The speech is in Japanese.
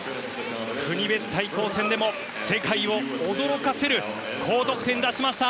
国別対抗戦でも世界を驚かせる高得点を出しました。